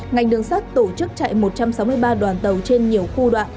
ngành đường sắt tổ chức chạy một trăm sáu mươi ba đoàn tàu trên nhiều khu đoạn